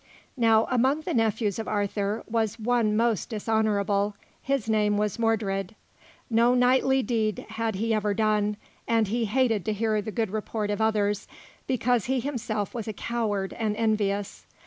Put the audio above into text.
Now, among the nephews of Arthur, was one most dishonourable; his name was Mordred. No knightly deed had he ever done, and he hated to hear the good report of others because he himself was a coward and envious.